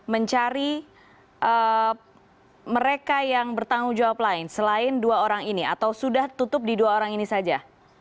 mencari mereka yang bertanggung jawab lain selain dua orang ini atau sudah tutup di dua orang ini saja